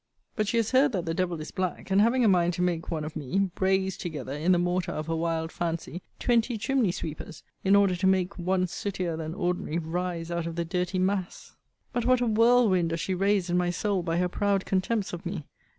But she has heard that the devil is black; and having a mind to make one of me, brays together, in the mortar of her wild fancy, twenty chimney sweepers, in order to make one sootier than ordinary rise out of the dirty mass. But what a whirlwind does she raise in my soul by her proud contempts of me!